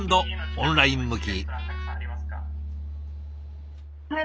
オンライン向き。